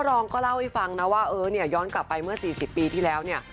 พ่อรองก็เล่าให้ฟังนะว่าย้อนกลับไปเมื่อสี่สิบปีที่แล้วเนี่ย